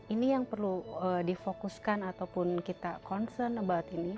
ini yang perlu difokuskan ataupun kita concern about ini